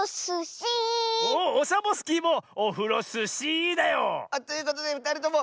おっオサボスキーもオフロスシーだよ。ということでふたりとも。